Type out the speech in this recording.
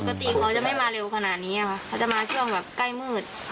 ปกติเขาจะไม่มาเร็วขนาดนี้ค่ะเขาจะมาช่วงแบบใกล้มืด